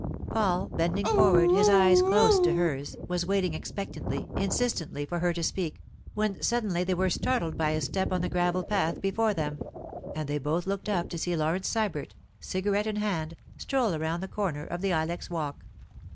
Paul, bending forward, his eyes close to hers, was waiting expectantly, insistently, for her to speak, when suddenly they were startled by a step on the gravel path before them, and they both looked up to see Laurence Sybert, cigarette in hand, stroll around the corner of the ilex walk.